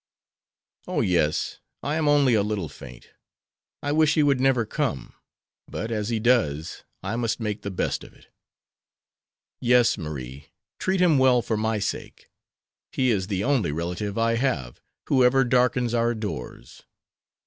"Oh, yes; I am only a little faint. I wish he would never come. But, as he does, I must make the best of it." "Yes, Marie, treat him well for my sake. He is the only relative I have who ever darkens our doors."